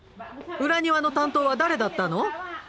裏庭の担当は誰だったの？